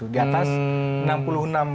di atas rp enam puluh enam satu